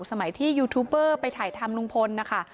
สมัยที่ยูทูบเบอร์ไปถ่ายทำลุงพลนะคะ